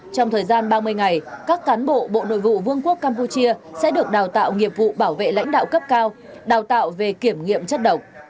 trong thời gian ba mươi ngày các cán bộ bộ nội vụ vương quốc campuchia sẽ được đào tạo nghiệp vụ bảo vệ lãnh đạo cấp cao đào tạo về kiểm nghiệm chất độc